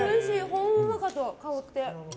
ほんわかと香って。